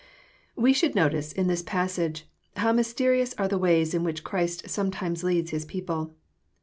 Wb should notice^ in this passage, how mysterious are the foays in tchidi Christ scymetimes leads His people.